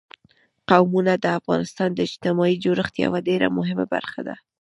قومونه د افغانستان د اجتماعي جوړښت یوه ډېره مهمه برخه ده.